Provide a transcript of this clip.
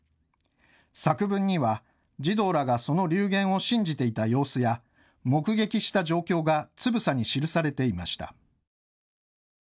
作文には児童らがその流言を信じていた様子や目撃した状況がつぶさに記されていました。